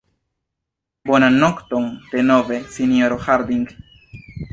Bonan nokton, denove, sinjorino Harding.